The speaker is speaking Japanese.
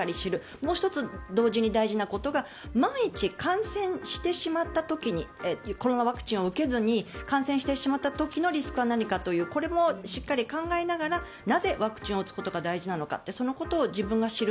もう１つ同時に大事なことが万一、感染してしまった時にコロナワクチンを受けずに感染した時のリスクは何かというこれもしっかり考えながらなぜワクチンを打つことが大事なのかってそのことを自分が知る。